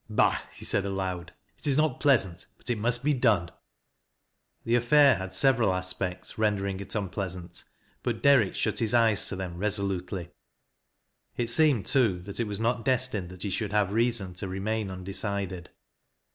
" Bah 1 " he said aloud. " It is not pleasant ; but it must be done." The affair had several aspects, rendering it unpleasant , but Derrick shut his eyes to them resolutely. It seemed, too, that it was not destined that he should have reason to remain undecided.